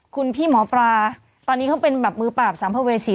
คุณพี่หมอปลาตอนนี้เขาเป็นแบบมือปราบสัมภเวษี